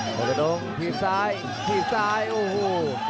คนละดงถีบซ้ายถีบซ้ายโอ้โห